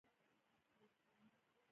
هربهن سنګ له مشهورو هندي بالرانو څخه دئ.